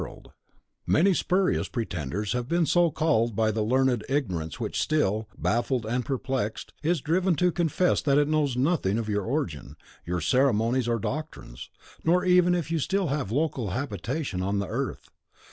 Many have called themselves of your band; many spurious pretenders have been so called by the learned ignorance which still, baffled and perplexed, is driven to confess that it knows nothing of your origin, your ceremonies or doctrines, nor even if you still have local habitation on the earth.